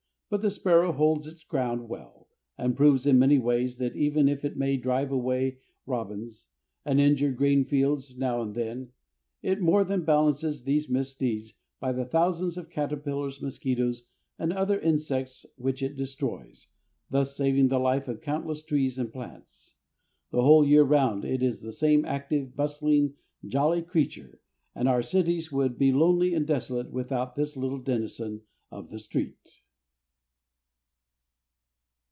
But the sparrow holds its ground well, and proves in many ways that even if it may drive away robins, and injure grain fields now and then, it more than balances these misdeeds by the thousands of caterpillars, mosquitoes, and other insects which it destroys, thus saving the life of countless trees and plants. The whole year round it is the same active, bustling, jolly creature, and our cities would be lonely and desolate without this little denizen of the street.